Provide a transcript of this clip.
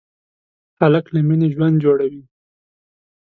هلک له مینې ژوند جوړوي.